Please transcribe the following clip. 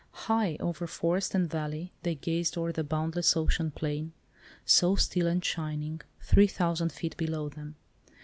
High over forest and valley they gazed o'er the boundless ocean plain—so still and shining, three thousand feet below them.